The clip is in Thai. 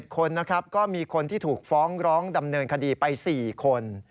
คนนะครับก็มีคนที่ถูกฟ้องร้องดำเนินคดีไป๔คน